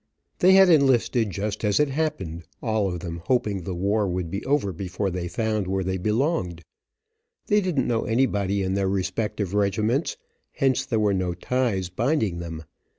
They had enlisted just as it happened, all of them hoping the war would be over before they found where they belonged. They didn't know anybody in their respective regiments, hence there were no ties binding them.